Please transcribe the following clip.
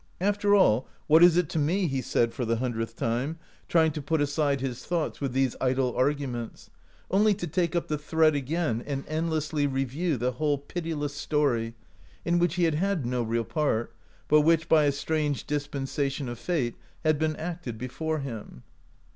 " After all, what is it to me ?" he said for the hundredth time, trying to put aside his 2 i7 OUT OF BOHEMIA thoughts with these idle arguments, only to take up the thread again and endlessly re view the whole pitiless story, in which he had had no real part, but which, by a strange dispensation of fate, had been acted before him.